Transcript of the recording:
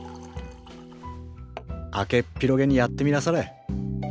開けっ広げにやってみなされ。